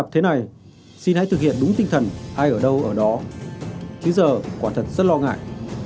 chính giờ quả thật rất lo ngại